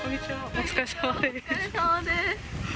お疲れさまです。